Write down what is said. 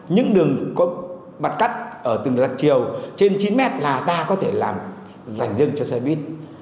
những đường bật cắt ở từng chiều trên chín m là ta có thể làm dành riêng cho xe buýt